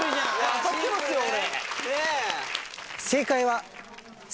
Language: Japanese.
当たってますよ俺。